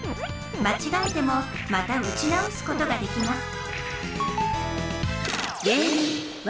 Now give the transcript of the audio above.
まちがえてもまた撃ち直すことができます